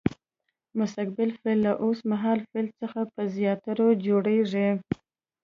مستقبل فعل له اوس مهال فعل څخه په زیاتولو جوړیږي.